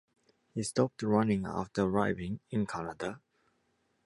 He stopped running after arriving in Canada.